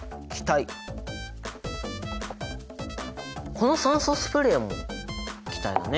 この酸素スプレーも気体だね！